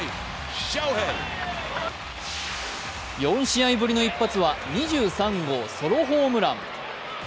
４試合ぶりの一発は２３号ソロホームラン。